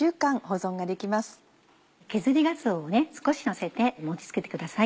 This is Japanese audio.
削りがつおを少しのせて盛り付けてください。